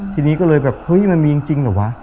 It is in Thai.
ทีนี้ก็เลยแบบเฮ้ยมันมีจริงเหรอวะ